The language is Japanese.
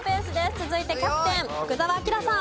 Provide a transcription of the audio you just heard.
続いてキャプテン福澤朗さん。